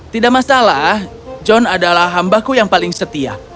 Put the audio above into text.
tidak masalah john adalah hambaku yang paling setia